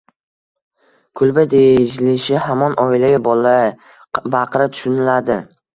Kulba deyilishi hamon oilayu bola-baqra tushuniladi.